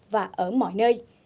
và ở mọi nơi